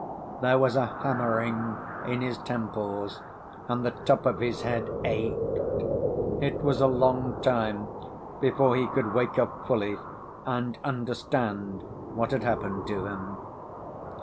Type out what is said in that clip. There was a hammering in his temples, and the top of his head ached. It was a long time before he could wake up fully and understand what had happened to him.